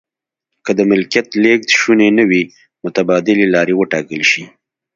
که د ملکیت لیږد شونی نه وي متبادلې لارې و ټاکل شي.